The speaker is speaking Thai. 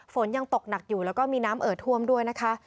ฝนยังตกหนักอยู่แล้วก็มีน้ำเอ่อท่วมด้วยนะคะ